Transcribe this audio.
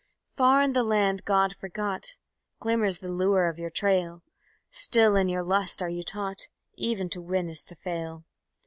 _ Far in the land God forgot Glimmers the lure of your trail; Still in your lust are you taught Even to win is to fail.